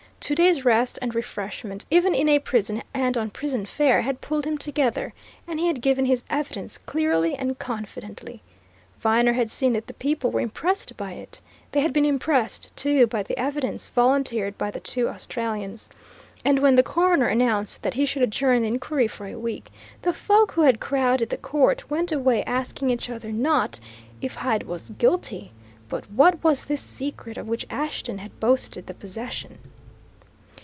Two days' rest and refreshment, even in a prison and on prison fare, had pulled him together, and he had given his evidence clearly and confidently. Viner had seen that people were impressed by it: they had been impressed, too, by the evidence volunteered by the two Australians. And when the coroner announced that he should adjourn the inquiry for a week, the folk who had crowded the court went away asking each other not if Hyde was guilty, but what was this secret of which Ashton had boasted the possession?